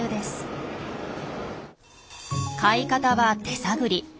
飼い方は手探り。